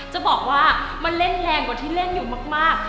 จะบอกว่ามันเล่นแรงกว่าที่เล่นอยู่มาก